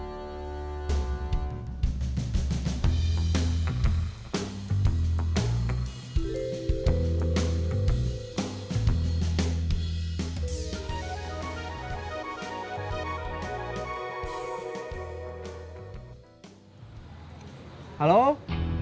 sampai jumpa di video selanjutnya